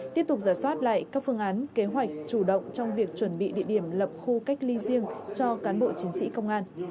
tiếp tục giả soát lại các phương án kế hoạch chủ động trong việc chuẩn bị địa điểm lập khu cách ly riêng cho cán bộ chiến sĩ công an